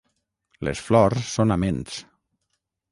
Les flors són aments.